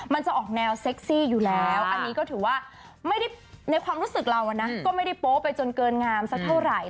มันจะออกแนวเซ็กซี่อยู่แล้วอันนี้ก็ถือว่าไม่ได้ในความรู้สึกเรานะก็ไม่ได้โป๊ไปจนเกินงามสักเท่าไหร่